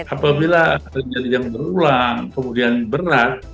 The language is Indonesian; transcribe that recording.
apabila terjadi yang berulang kemudian berat